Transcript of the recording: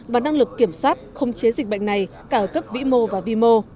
và năng lực kiểm soát không chế dịch bệnh này cả ở cấp vĩ mô và vi mô